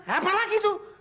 apa lagi tuh